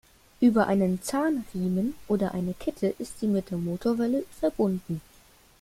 Über einen Zahnriemen oder eine Kette ist sie mit der Motorwelle verbunden.